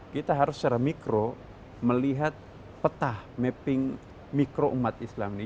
kita harus secara mikro melihat peta mapping mikro umat islam ini